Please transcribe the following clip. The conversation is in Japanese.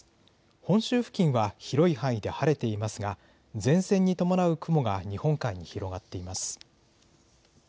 本州付近は広い範囲で晴れていますが前線に伴う雲が日本海に広がっています。